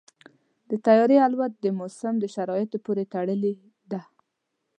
د طیارې الوت د موسم شرایطو پورې تړلې ده.